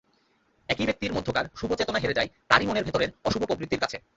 একই ব্যক্তির মধ্যকার শুভচেতনা হেরে যায় তারই মনের ভেতরের অশুভ প্রবৃত্তির কাছে।